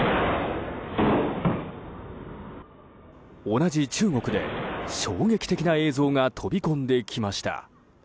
同じ中国で、衝撃的な映像が飛び込んできました。